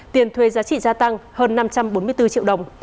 tiền thuê giá trị gia tăng hơn năm trăm bốn mươi bốn triệu đồng